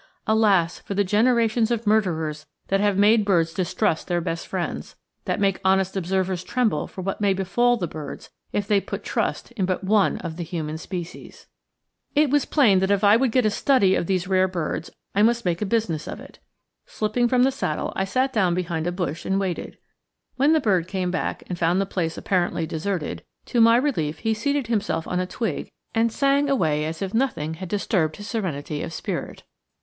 Alas, for the generations of murderers that have made birds distrust their best friends that make honest observers tremble for what may befall the birds if they put trust in but one of the human species! [Illustration: THE PHAINOPEPLA'S NEST IN THE OAK BRUSH ISLAND] It was plain that if I would get a study of these rare birds I must make a business of it. Slipping from the saddle, I sat down behind a bush and waited. When the bird came back and found the place apparently deserted, to my relief he seated himself on a twig and sang away as if nothing had disturbed his serenity of spirit.